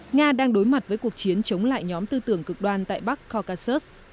nga đang đối mặt với cuộc chiến chống lại nhóm tư tưởng cực đoan tại bắc kokasus